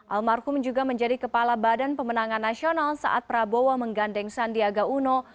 almarhum juga menjadi kepala badan pemenangan nasional saat prabowo menggandeng sandiaga uno